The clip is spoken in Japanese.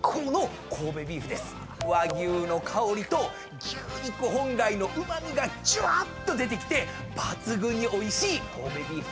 和牛の香りと牛肉本来のうま味がじゅわっと出てきて抜群においしい神戸ビーフとなっております。